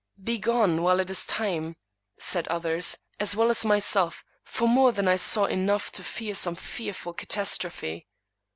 " Begone, while it is time !" said others, as well as myself ; for more than I saw enough to fear some fearful catastrophe.